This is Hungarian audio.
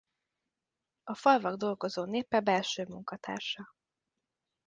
A Falvak Dolgozó Népe belső munkatársa.